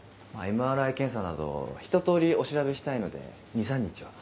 ＭＲＩ検査などひと通りお調べしたいので２３日は。